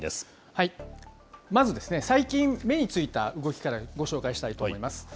まずですね、最近、目についた動きからご紹介したいと思います。